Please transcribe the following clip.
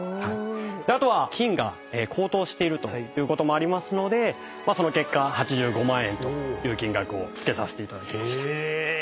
あとは金が高騰しているということもありますのでその結果８５万円という金額を付けさせていただきました。